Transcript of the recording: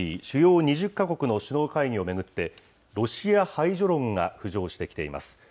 主要２０か国の首脳会議を巡って、ロシア排除論が浮上してきています。